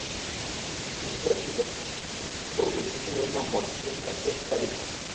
বিশিষ্ট ব্যক্তিত্ব—কথাশিল্পী Victor Hugo, বীরশ্রেষ্ঠ নূর মোহাম্মদ, সুরকার শেখ সাদী খান।